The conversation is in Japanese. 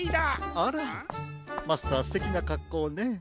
あらマスターすてきなかっこうね。